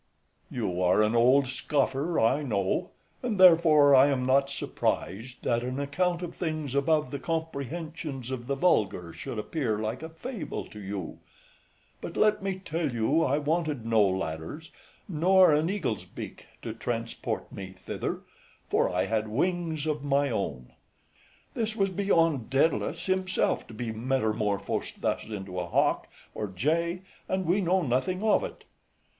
MENIPPUS. You are an old scoffer, I know, and therefore I am not surprised that an account of things above the comprehensions of the vulgar should appear like a fable to you; but, let me tell you, I wanted no ladders, nor an eagle's beak, to transport me thither, for I had wings of my own. FRIEND. This was beyond Daedalus himself, to be metamorphosed thus into a hawk, or jay, and we know nothing of it.